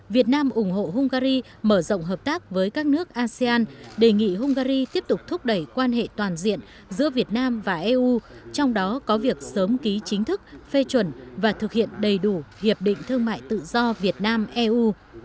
việt nam ủng hộ hungary mở rộng hợp tác với các nước asean đề nghị hungary tiếp tục thúc đẩy quan hệ toàn diện giữa việt nam và eu trong đó có việc sớm ký chính thức phê chuẩn và thực hiện đầy đủ hiệp định thương mại tự do việt nam eu